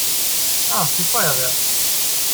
Ah, die Feuerwehr!